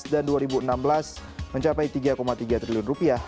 dan dua ribu enam belas mencapai tiga tiga triliun rupiah